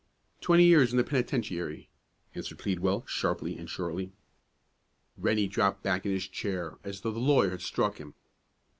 "Twenty years in the Penitentiary," answered Pleadwell, sharply and shortly. Rennie dropped back in his chair, as though the lawyer had struck him.